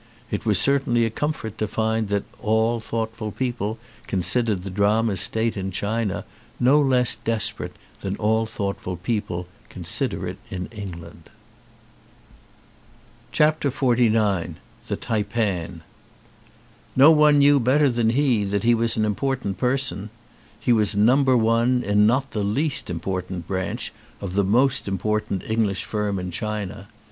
It was certainly a comfort to find that all thoughtful people considered the drama's state in China no less desperate than all thoughtful people consider it in England. 192 XL1X THE TAIPAN NO one knew better than he that he was an important person. He was number one in not the least important branch of the most important English firm in China.